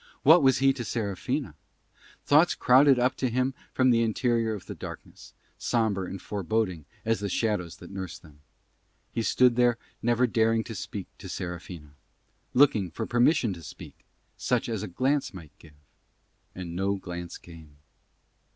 What was he to Serafina? Thoughts crowded up to him from the interior of the darkness, sombre and foreboding as the shadows that nursed them. He stood there never daring to speak to Serafina; looking for permission to speak, such as a glance might give. And no glance came.